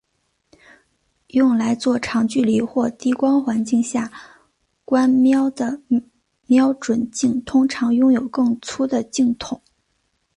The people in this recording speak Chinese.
用来做长距离或低光环境下观瞄的瞄准镜通常拥有更粗的镜筒。